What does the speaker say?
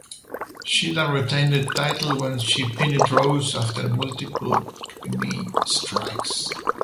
Shida retained the title when she pinned Rose after multiple knee strikes.